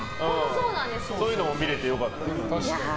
そういうのも見れて良かったです。